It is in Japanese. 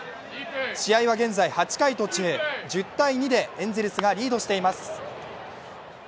試合は現在８回途中、１０−２でエンゼルスがリードしています。